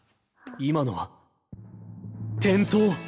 今のは転倒。